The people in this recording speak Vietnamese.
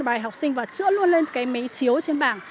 bài học sinh và chữa luôn lên cái máy chiếu trên bảng